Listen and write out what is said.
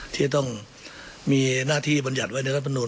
ที่จะต้องมีหน้าที่บรรยัติไว้ในรัฐมนุน